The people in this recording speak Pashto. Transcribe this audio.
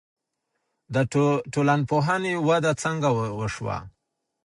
د ټولنپوهنې وده څنګه وسوه؟